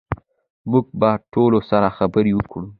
موږ به ټولو سره خبرې وکړو